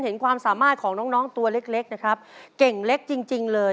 เห็นความสามารถของน้องตัวเล็กนะครับเก่งเล็กจริงจริงเลย